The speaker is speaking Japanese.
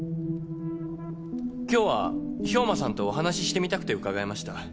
今日は兵馬さんとお話ししてみたくて伺いました。